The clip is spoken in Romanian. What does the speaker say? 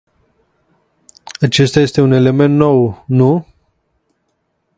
Acesta este un element nou, nu?